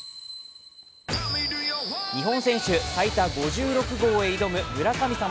日本選手最多５６号へ挑む村神様。